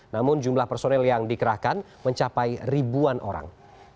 namun jumlah personel yang dikerahkan mencapai ribuan orang